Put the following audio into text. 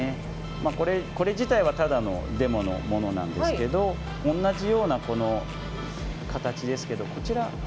これ自体はただのデモのものなんですけど同じようなこの形ですけどこちら持ってもらって。